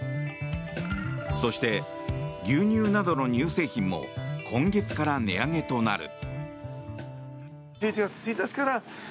そして牛乳などの乳製品も今月から値上げとなる。